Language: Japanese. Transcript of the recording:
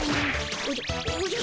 おじゃおじゃ？